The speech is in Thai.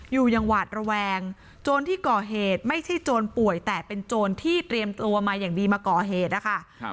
อยู่อย่างหวาดระแวงโจรที่ก่อเหตุไม่ใช่โจรป่วยแต่เป็นโจรที่เตรียมตัวมาอย่างดีมาก่อเหตุนะคะ